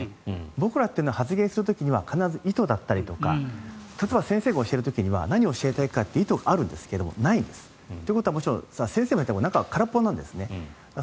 僕らというのは発言する時には必ず意図だったり例えば、先生が教える時には何を教えたいかという意図があるんですがないんです。ということは生成ＡＩは中は空っぽなんです。